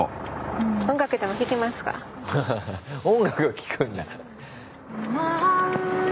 ハハハ音楽を聴くんだ。